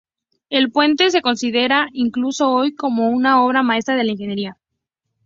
El puente se considera, incluso hoy, como una obra maestra de la ingeniería.